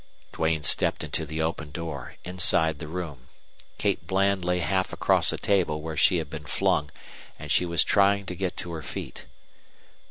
Duane stepped into the open door, inside the room. Kate Bland lay half across a table where she had been flung, and she was trying to get to her feet.